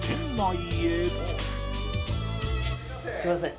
すみません。